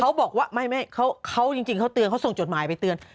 เขาบอกว่าไม่เขาจริงเขาเตือนเขาส่งจดหมายไปเตือน